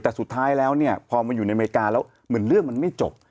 แต่สุดท้ายแล้วเนี่ยพอมาอยู่ในอเมริกาแล้วเหมือนเรื่องมันไม่จบ